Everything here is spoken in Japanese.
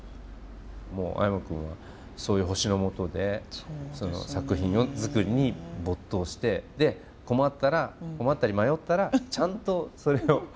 もう阿山くんはそういう星のもとで作品作りに没頭してで困ったら困ったり迷ったらちゃんとそれを。